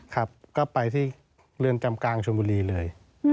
ครับก็ไปที่เรือนจำกลางชนบุรีเลย